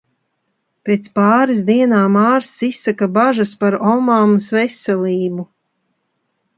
Pēc pāris dienām ārsts izsaka bažas par omammas veselību.